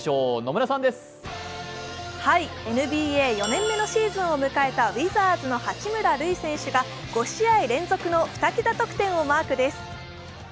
ＮＢＡ４年目のシーズンを迎えたウィザーズの八村塁選手が５試合連続の２桁得点をマークです。